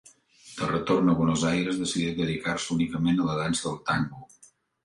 De retorn a Buenos Aires decideix dedicar-se únicament a la dansa del tango.